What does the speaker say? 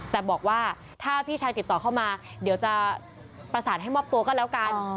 แต่บอกว่าถ้าพี่ชายติดต่อเข้ามาเดี๋ยวจะประสานให้มอบตัวก็แล้วกัน